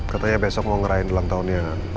katanya besok mau ngerahin dalam tahunnya mama sarah